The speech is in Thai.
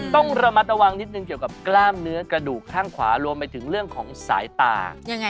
ต้องระมัดระวังนิดนึงเกี่ยวกับกล้ามเนื้อกระดูกข้างขวารวมไปถึงเรื่องของสายตา